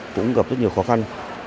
cũng gặp rất nhiều khó khăn